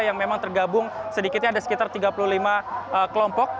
yang memang tergabung sedikitnya ada sekitar tiga puluh lima kelompok